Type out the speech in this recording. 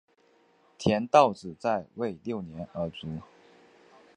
田悼子在位六年而卒。